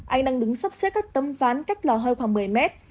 anh đang đứng sắp xếp các tấm ván cách lò hơi khoảng một mươi mét